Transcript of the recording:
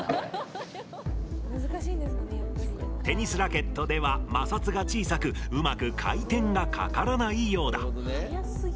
テニスラケットでは摩擦が小さくうまく回転がかからないようだ。